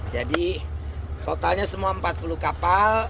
jadi totalnya semua empat puluh kapal